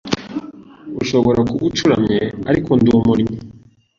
Ushobora kuba ucuramye, ariko ndumunnyi